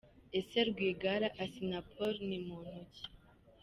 Ese Rwigara Assinapol ni muntu ki?.